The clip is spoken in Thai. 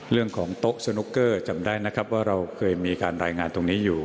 เรื่องของโต๊ะสนุกเกอร์จำได้นะครับว่าเราเคยมีการรายงานตรงนี้อยู่